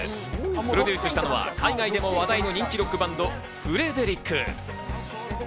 プロデュースしたのは海外でも話題のロックバンド、フレデリック。